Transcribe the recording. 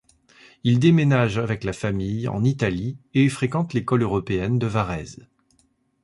Il déménage avec la famille en Italie et fréquente l’école européenne de Varèse.